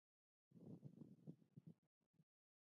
مشرانو ته سپیني غوښي مه ورکوئ.